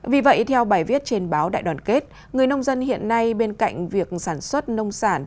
vì vậy theo bài viết trên báo đại đoàn kết người nông dân hiện nay bên cạnh việc sản xuất nông sản